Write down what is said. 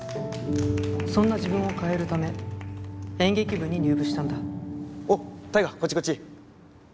そんな自分を変えるため演劇部に入部したんだおっ大我こっちこっち。